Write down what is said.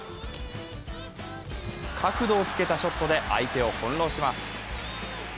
角度をつけたショットで相手を翻弄します。